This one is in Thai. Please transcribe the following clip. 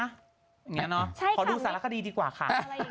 นี่เนาะขอดูสารคดีดีกว่าค่ะ